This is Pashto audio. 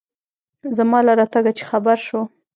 زما له راتگه چې خبر سو.